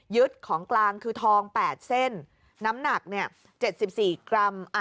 ของกลางคือทอง๘เส้นน้ำหนัก๗๔กรัม